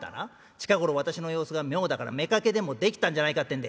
近頃私の様子が妙だから妾でもできたんじゃないかってんで。